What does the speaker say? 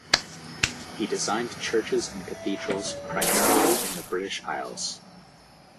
He designed churches and cathedrals primarily in the British Isles.